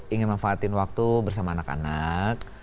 ingin manfaatin waktu bersama anak anak